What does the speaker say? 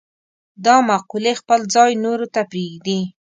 دا مقولې خپل ځای نورو ته پرېږدي.